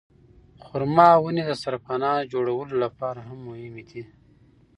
خورما ونې د سرپناه جوړولو لپاره هم مهمې دي.